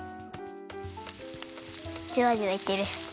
じゅわじゅわいってる。